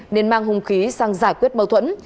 nên mang hùng khí sang giải quyết mâu thuẫn